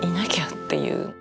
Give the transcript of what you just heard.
っていう。